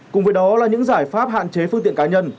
cùng với đó là những giải pháp hạn chế phương tiện cá nhân